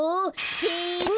せの！